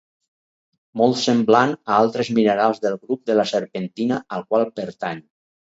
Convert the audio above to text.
Molt semblant a altres minerals del grup de la serpentina al qual pertany.